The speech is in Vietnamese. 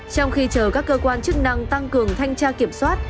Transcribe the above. trong khi chờ các cơ quan chức năng tăng cường thanh tra kiểm soát